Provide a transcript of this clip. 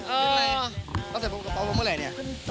เอาเสร็จก็ต้องรับไหมแล้วเนี่ย